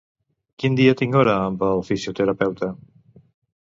Quin dia tinc hora amb el fisioterapeuta?